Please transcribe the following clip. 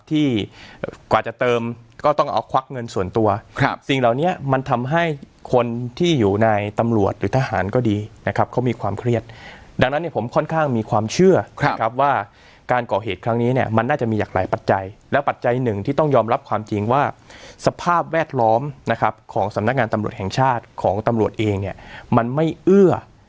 ที่กว่าจะเติมก็ต้องเอาควักเงินส่วนตัวครับสิ่งเหล่านี้มันทำให้คนที่อยู่ในตำรวจหรือทหารก็ดีนะครับเขามีความเครียดดังนั้นเนี่ยผมค่อนข้างมีความเชื่อนะครับว่าการก่อเหตุครั้งนี้เนี่ยมันน่าจะมีหลากหลายปัจจัยและปัจจัยหนึ่งที่ต้องยอมรับความจริงว่าสภาพแวดล้อมนะครับของสำนักงานตำรวจแห่งชาติของตำรวจเองเนี่ยมันไม่เอื้อ